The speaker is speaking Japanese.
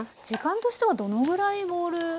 時間としてはどのぐらいボウル？